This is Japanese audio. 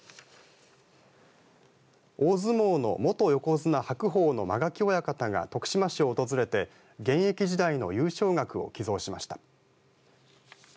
大相撲の元横綱、白鵬の間垣親方が徳島市を訪れて現役時代の優勝額を寄贈しました。